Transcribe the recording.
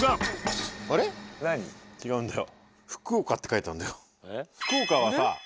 違うんだよ。